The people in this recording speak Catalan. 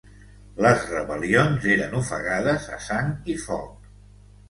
Les rebel·lions eren ofegades a sang i foc.